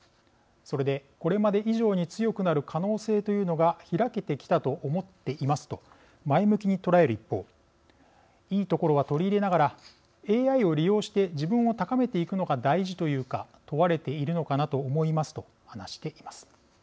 それでこれまで以上に強くなる可能性というのが開けてきたと思っています」と前向きに捉える一方「いいところは取り入れながらＡＩを利用して自分を高めていくのが大事というか問われているのかなと思います」と話しています。